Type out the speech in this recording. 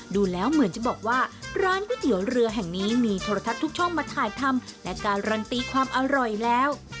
ดูแล้วเหมือนจะบอกว่าร้านก๋วยเตี๋ยวเรือแห่งนี้มีโทรทัศน์ทุกช่องมาถ่ายทำและการันตีความอร่อยแล้ว